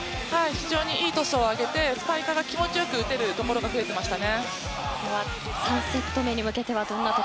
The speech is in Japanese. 非常にいいトスを上げてスパイカーが非常に気持ち良く打てるところが増えていました。